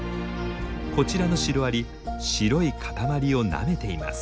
こちらのシロアリ白い塊をなめています。